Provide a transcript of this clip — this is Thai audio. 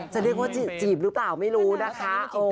จะเรียกว่าจีบหรือเปล่าไม่รู้นะคะ